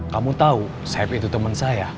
kamu tahu saeb itu temen saya